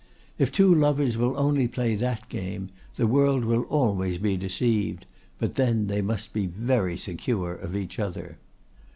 If two lovers will only play that game, the world will always be deceived; but then they must be very secure of each other.